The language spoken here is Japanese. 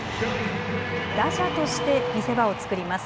打者として見せ場をつくります。